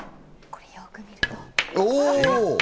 これ、よく見ると。